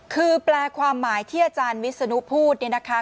คือแปลความหมายที่อาจารย์วิศนุพูดเนี่ยนะคะ